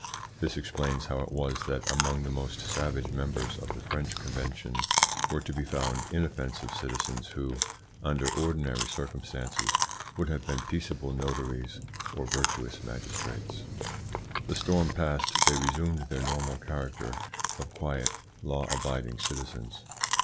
This explains how it was that among the most savage members of the French Convention were to be found inoffensive citizens who, under ordinary circumstances, would have been peaceable notaries or virtuous magistrates. The storm past, they resumed their normal character of quiet, law abiding citizens.